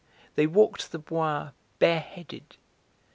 They walked the Bois bare headed.